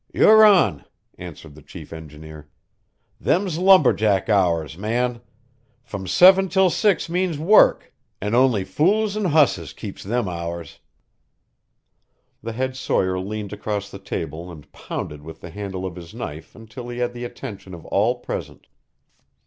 "You're on," answered the chief engineer. "Them's lumberjack hours, man. From seven till six means work an' only fools an' hosses keeps them hours." The head sawyer leaned across the table and pounded with the handle of his knife until he had the attention of all present.